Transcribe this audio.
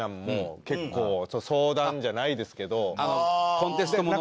コンテストものね。